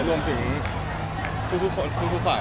รวมถึงทุกคนทุกฝ่าย